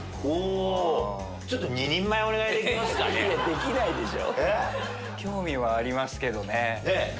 できないでしょ。